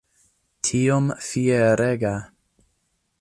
Tiom fierega!